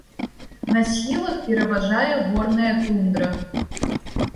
На схілах пераважае горная тундра.